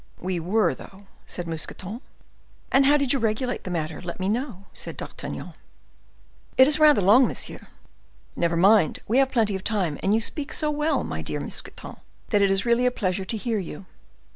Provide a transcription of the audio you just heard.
"We were, though," said Mousqueton. "And how did you regulate the matter, let me know?" said D'Artagnan. "It is rather long, monsieur." "Never mind, we have plenty of time; and you speak so well, my dear Mousqueton, that it is really a pleasure to hear you."